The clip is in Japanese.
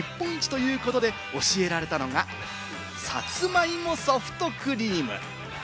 干し芋の生産量日本一ということで教えられたのがさつまいもソフトクリーム。